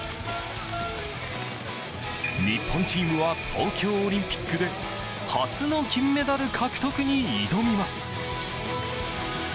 日本チームは東京オリンピックで初の金メダル獲得に挑みます。